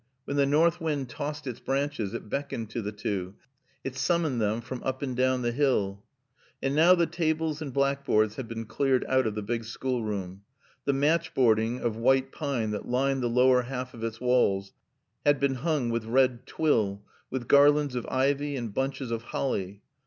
When the north wind tossed its branches it beckoned to the two, it summoned them from up and down the hill. And now the tables and blackboards had been cleared out of the big schoolroom. The matchboarding of white pine that lined the lower half of its walls had been hung with red twill, with garlands of ivy and bunches of holly.